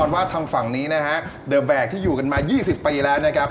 ว่าทางฝั่งนี้นะฮะเดอร์แบกที่อยู่กันมา๒๐ปีแล้วนะครับ